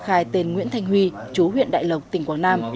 cơ quan công an tự khai tên nguyễn thành huy chú huyện đại lộc tỉnh quảng nam